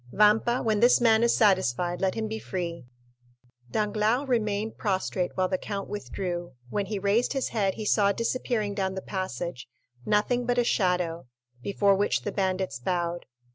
Vampa, when this man is satisfied, let him be free." Danglars remained prostrate while the count withdrew; when he raised his head he saw disappearing down the passage nothing but a shadow, before which the bandits bowed.